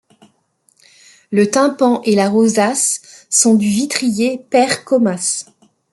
Le tympan et la rosace sont du vitrier Pere Comas.